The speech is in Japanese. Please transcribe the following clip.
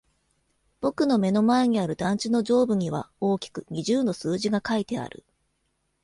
僕の目の前にある団地の上部には大きく二十の数字が書いてある。